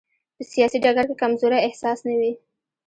په سیاسي ډګر کې کمزورۍ احساس نه وي.